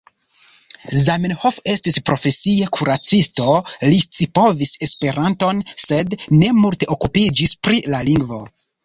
Zamenhof estis profesie kuracisto, li scipovis Esperanton sed ne multe okupiĝis pri la lingvo.